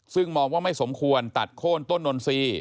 ซึ่งมองว่าไม่สมควรตัดโค้นต้นนนทรีย์